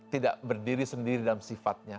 tidak berdiri sendiri dalam sifatnya